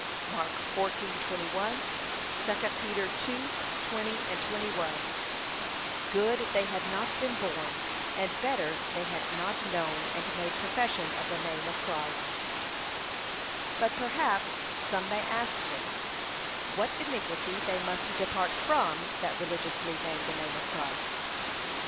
(Mark 14:21; 2 Peter 2:20, 21) Good they had not been born, and better they had not known and made profession of the name of Christ. But perhaps some may ask me, WHAT INIQUITY THEY MUST DEPART FROM THAT RELIGIOUSLY NAME THE NAME OF CHRIST?